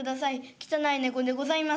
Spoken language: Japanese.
汚い猫でございます。